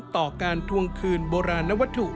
ต่อการทวงคืนโบราณนวัตถุ